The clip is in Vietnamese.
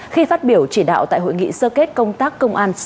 khi phát biểu chỉ đạo tại hội nghị sơ kết công tác công an